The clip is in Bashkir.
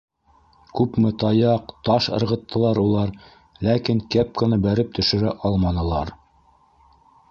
Күпме таяҡ, таш ырғыттылар улар, ләкин кепканы бәреп төшөрә алманылар.